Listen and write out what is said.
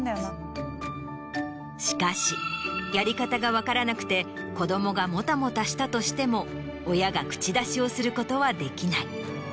しかしやり方が分からなくて子どもがモタモタしたとしても親が口出しをすることはできない。